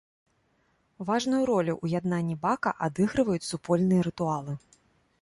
Важную ролю ў яднанні бака адыгрываюць супольныя рытуалы.